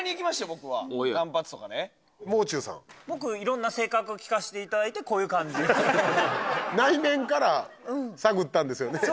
僕はもう中さん僕いろんな性格聞かせていただいてこういう感じ内面から探ったんですよね？